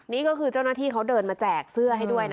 นี่ก็คือเจ้าหน้าที่เขาเดินมาแจกเสื้อให้ด้วยนะ